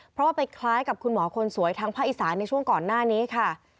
เพราะว่าไปคล้ายกับคุณหมอคนสวยทางภาคอีสานในช่วงก่อนหน้านี้ค่ะ